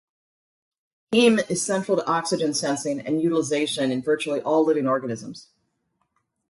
Heme is central to oxygen sensing and utilization in virtually all living organisms.